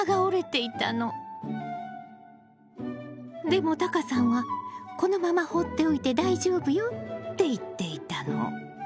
でもタカさんは「このまま放っておいて大丈夫よ」って言っていたの。